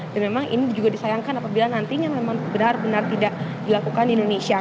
dan memang ini juga disayangkan apabila nantinya memang benar benar tidak dilakukan di indonesia